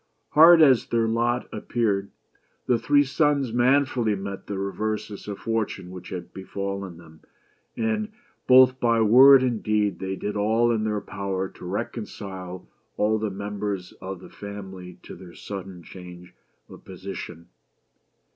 Hard as their lot appeared, the three sons manfully met the reverses of fortune which had befallen them, and both by word and deed they did all in their power to reconcile all the members of the family to their sudden change of position.